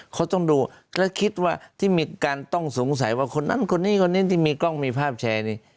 เขาต้องดูแล้วคิดว่าที่มีการต้องสงสัยว่าคนนั้นคนนี้คนนี้ที่มีกล้องมีภาพแชร์นี้